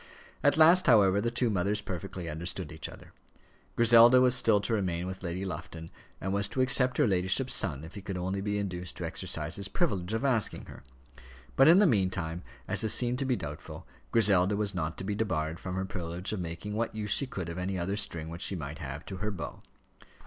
At last, however, the two mothers perfectly understood each other. Griselda was still to remain with Lady Lufton; and was to accept her ladyship's son, if he could only be induced to exercise his privilege of asking her; but in the meantime, as this seemed to be doubtful, Griselda was not to be debarred from her privilege of making what use she could of any other string which she might have to her bow.